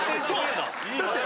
だって